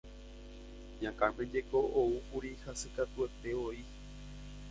Ña Carmen jeko oúkuri hasykatuetévoi.